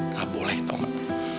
tak boleh tuhan